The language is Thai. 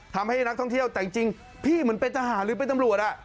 ทำให้นักท่องเที่ยวแต่จริงพี่เหมือนเป็นทหารหรือเป็นตำรวจ